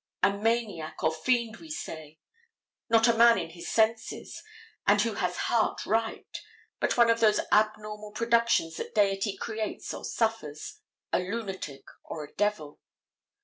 A maniac or fiend we say. Not a man in his senses and who has heart right, but one of those abnormal productions that deity creates or suffers, a lunatic or a devil.